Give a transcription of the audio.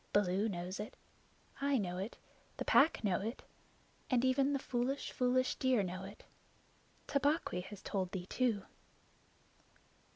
Baloo knows it; I know it; the Pack know it; and even the foolish, foolish deer know. Tabaqui has told thee too."